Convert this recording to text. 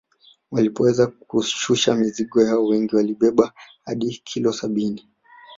Walipoweza kushusha mizigo yao wengi walibeba hadi kilo sabini